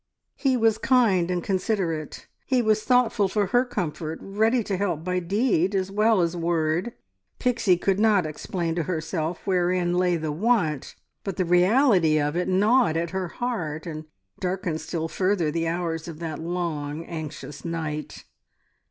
He was kind and considerate. He was thoughtful for her comfort, ready to help by deed as well as word. Pixie could not explain to herself wherein lay the want, but the reality of it gnawed at her heart, and darkened still further the hours of that long, anxious night.